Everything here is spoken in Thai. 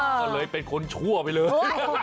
ก็เลยเป็นคนชั่วไปเลย